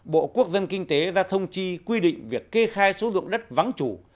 bộ quốc dân kinh tế ra thông chi quy định việc kê khai số dụng đất vắng chủ